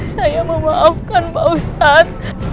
saya memaafkan pak ustaz